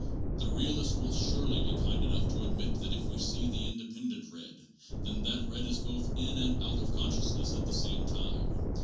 'The realist will surely be kind enough to admit that if we see the independent red, then that red is both in and out of consciousness at the same time.